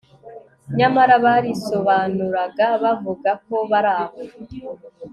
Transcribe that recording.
nyamara barisobanuraga bavuga ko bari aho